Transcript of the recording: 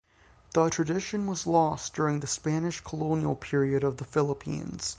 The tradition was lost during the Spanish colonial period of the Philippines.